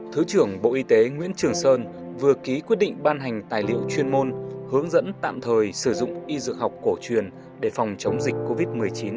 thứ trưởng bộ y tế nguyễn trường sơn vừa ký quyết định ban hành tài liệu chuyên môn hướng dẫn tạm thời sử dụng y dược học cổ truyền để phòng chống dịch covid một mươi chín